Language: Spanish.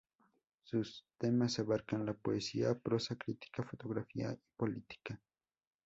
Sus temas abarcan la poesía, prosa, crítica, fotografía y política.